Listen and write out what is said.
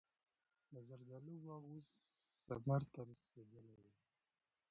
د زردالو باغ اوس ثمر ته رسېدلی دی.